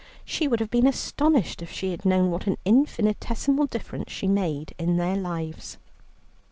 She would have been astonished if she had known what an infinitesimal difference she made in their lives.